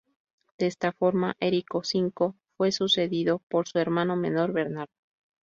De esta forma Erico V fue sucedido por su hermano menor, Bernardo.